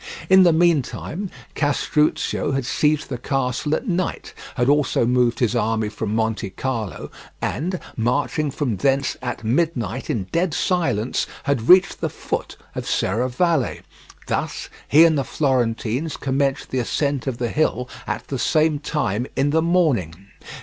In the meantime, Castruccio had seized the castle at night, had also moved his army from Montecarlo, and marching from thence at midnight in dead silence, had reached the foot of Serravalle: thus he and the Florentines commenced the ascent of the hill at the same time in the morning.